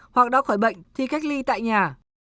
hoặc đã khỏi bệnh thì cách ly tại nhà